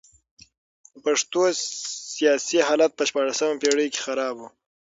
د پښتنو سیاسي حالت په شپاړلسمه پېړۍ کي خراب و.